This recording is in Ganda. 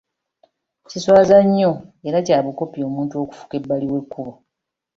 Kiswaza nnyo era kya bukopi omuntu okufuka ebbali w'ekkubo.